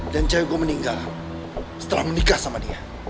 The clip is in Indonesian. dan cewek gue meninggal setelah menikah sama dia